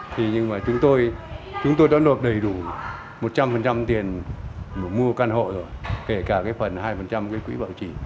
thì nhưng mà chúng tôi đã đột đầy đủ một trăm linh tiền mua căn hộ rồi kể cả cái phần hai cái quỹ bảo trì